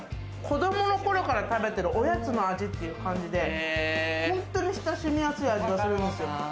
子供の頃から食べてるおやつの味っていう感じで、本当に親しみやすい味がします。